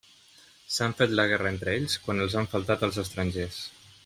S'han fet la guerra entre ells quan els han faltat els estrangers.